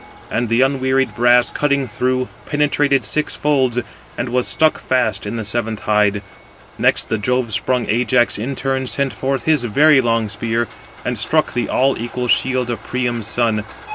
And the unwearied brass cutting through, penetrated six folds, and was stuck fast in the seventh hide. Next, Jove sprung Ajax in turn sent forth his very long spear, and struck the all equal shield of Priam's son.